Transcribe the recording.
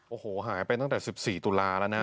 โอ้โหหายไปตั้งแต่๑๔ตุลาระนั้น